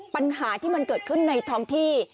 ปัญหาที่มันเกิดขึ้นในท้องที่